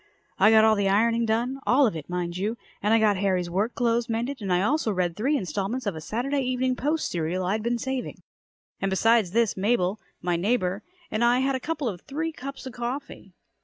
I got all the ironing done all of it, mind you and I got Harry's work clothes mended and I also read three installments of a Saturday Evening Post serial I'd been saving. And besides this Mabel, my neighbor, and I had a couple or three cups of coffee.